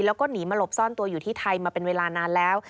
แล้วก็หนีมาหลบซ่อนตัวอยู่ที่ไทยมาเป็นเวลานานแล้ว